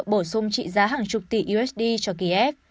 bổ sung trị giá hàng chục tỷ usd cho kiev